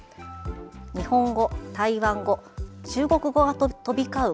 日本語・台湾語・中国語が飛び交う